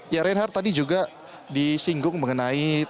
ya reinhardt tadi juga disinggung mengenai terhadap